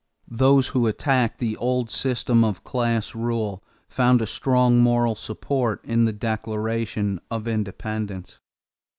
Those who attacked the old system of class rule found a strong moral support in the Declaration of Independence.